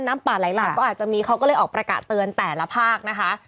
น้ำป่าไหลหลากก็อาจจะมีเขาก็เลยออกประกาศเตือนแต่ละภาคนะคะ